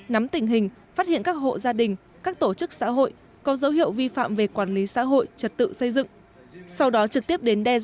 nắm tình hình phát hiện các hộ gia đình các tổ chức xã hội có dấu hiệu vi phạm về quản lý xã hội trật tự xây dựng